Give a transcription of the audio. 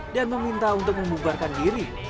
dan meminta untuk membubarkan diri